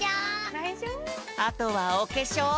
あとはおけしょう！